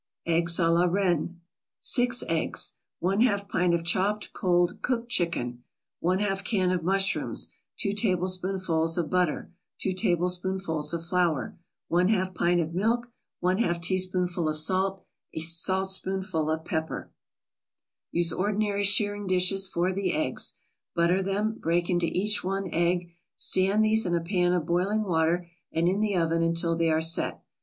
EGGS A LA REINE 6 eggs 1/2 pint of chopped cold cooked chicken 1/2 can of mushrooms 2 tablespoonfuls of butter 2 tablespoonfuls of flour 1/2 pint of milk 1/2 teaspoonful of salt 1 saltspoonful of pepper Use ordinary shirring dishes for the eggs; butter them, break into each one egg, stand these in a pan of boiling water and in the oven until they are "set."